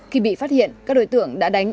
khi bị phát hiện các đối tượng đã đánh